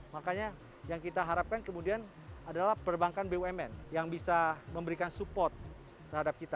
makanya yang kita harapkan kemudian adalah perbankan bumn yang bisa memberikan support terhadap kita